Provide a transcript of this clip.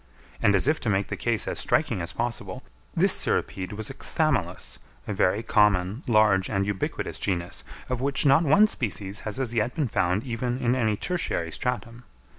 And, as if to make the case as striking as possible, this cirripede was a Chthamalus, a very common, large, and ubiquitous genus, of which not one species has as yet been found even in any tertiary stratum.